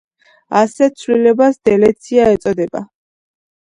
ასეთ ცვლილებას დელეცია ეწოდება.